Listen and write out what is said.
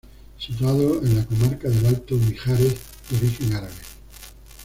Situado en la comarca del Alto Mijares, de origen árabe.